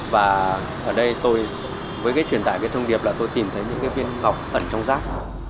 và ở đây tôi với cái truyền tải cái thông điệp là tôi tìm thấy những cái viên ngọc ẩn trong rác